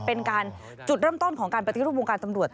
เป็นการจุดเริ่มต้นของการปฏิรูปวงการตำรวจ